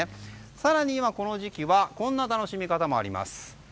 更に、この時期はこんな楽しみ方もあります。